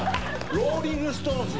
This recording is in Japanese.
ローリング・ストーンズ。